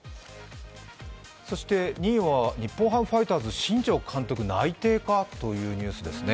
２位は日本ハムファイターズ新庄監督内定かというニュースです。